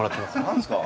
何ですか？